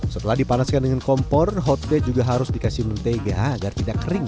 setelah dipanaskan dengan kompor hot black juga harus dikasih mentega agar tidak kering